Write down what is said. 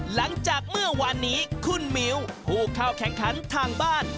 หลังจากเมื่อวานนี้คุณมิ้วผู้เข้าแข่งขันทางบ้าน